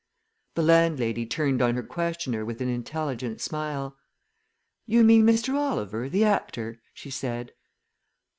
The landlady turned on her questioner with an intelligent smile. "You mean Mr. Oliver, the actor?" she said.